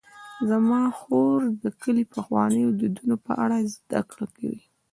زما خور د کلي د پخوانیو دودونو په اړه زدهکړه کوي.